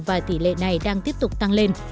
và tỷ lệ này đang tiếp tục tăng lên